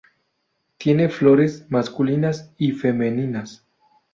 Tiene flores masculinas y femeninas.